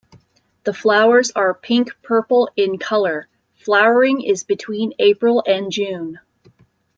The flowers are pink-purple in color; flowering is between April and June.